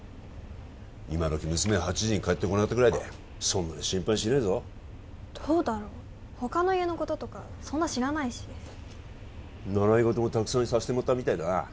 今どき娘が８時に帰ってこなかったぐらいでそんなに心配しねえぞどうだろうほかの家のこととかそんな知らないし習い事もたくさんさせてもらったみたいだな